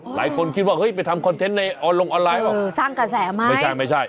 หลายคนคิดว่าเฮ้ยไปทำคอนเทนต์ในออนลงออนไลน์บอกเออสร้างกระแสมากไม่ใช่ไม่ใช่